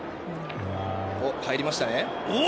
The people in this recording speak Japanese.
入りましたね。